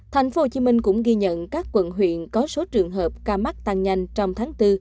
tp hcm cũng ghi nhận các quận huyện có số trường hợp ca mắc tăng nhanh trong tháng bốn